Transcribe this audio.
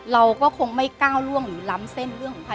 เราก็คงไม่ก้าวล่วงหรือล้ำเส้นเรื่องของใคร